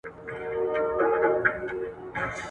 زموږ په رنګ درته راوړي څوک خوراکونه؟